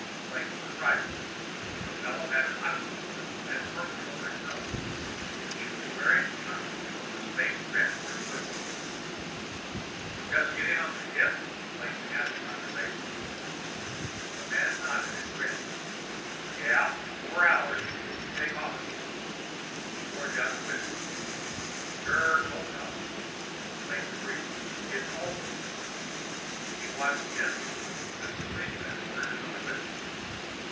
Clayton was right. The fellow had an oxygen tube clamped firmly over his nose. He was wearing the uniform of the Space Transport Service. "Just get in on the ship?" Clayton asked conversationally. The man nodded and grinned. "Yeah. Four hours before we take off again." He poured down the whiskey. "Sure cold out." Clayton agreed. "It's always cold." He watched enviously as the spaceman ordered another whiskey.